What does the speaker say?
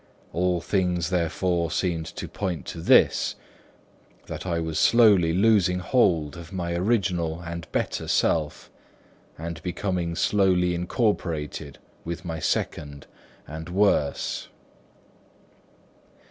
All things therefore seemed to point to this; that I was slowly losing hold of my original and better self, and becoming slowly incorporated with my second and worse.